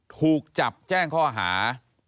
ถูกจับแจ้งข้อหา